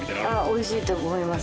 美味しいと思います。